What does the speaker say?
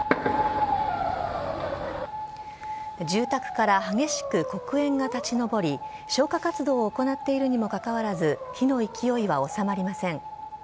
住宅から激しく黒煙が立ち上り、消火活動を行っているにもかかわらず、火の勢いは収まりません。